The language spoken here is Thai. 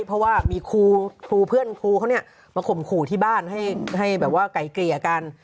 เพราะว่ามีครูเพื่อนครูเขาเนี่ยมาข่มขู่ที่บ้านให้แบบว่าไก่เกลี่ยกัน